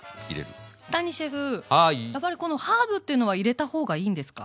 やっぱりこのハーブというのは入れた方がいいんですか？